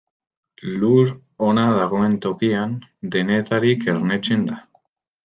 Lur ona dagoen tokian, denetarik ernetzen da.